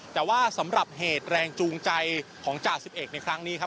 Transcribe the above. แต่ว่าสำหรับเหตุแรงจูงใจของจ่าสิบเอกในครั้งนี้ครับ